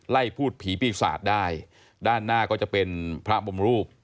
พูดผีปีศาจได้ด้านหน้าก็จะเป็นพระบมรูป